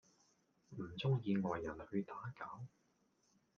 唔鍾意外人去打攪